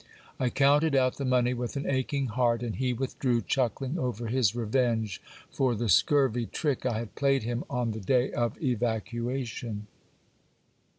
I counted out the money with an aching heart, and he withdrew, chuckling over his revenge for the scurvy trick I had played him on the day of evacuation.